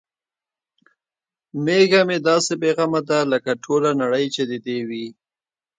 میږه مې داسې بې غمه ده لکه ټوله نړۍ چې د دې وي.